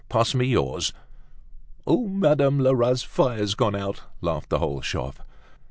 Pass me yours." "Oh! Madame Lerat's fire's out!" laughed the whole shop.